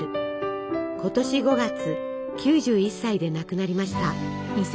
今年５月９１歳で亡くなりました。